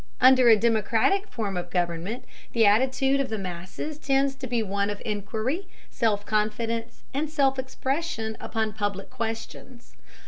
Under a democratic form of government the attitude of the masses tends to be one of inquiry, self confidence, and self expression upon public questions.